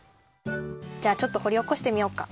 じゃあちょっとほりおこしてみようか。